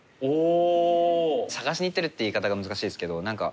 探しにいってるって言い方が難しいですけど何か何か。